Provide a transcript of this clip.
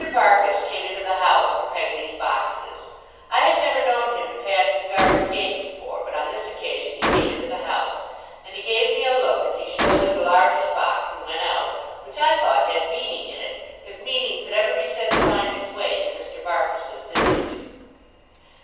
Barkis came into the house for Peggotty's boxes. I had never known him to pass the garden gate before, but on this occasion he came into the house. And he gave me a look as he shouldered the largest box and went out, which I thought had meaning in it, if meaning could ever be said to find its way into Mr. Barkis's visage.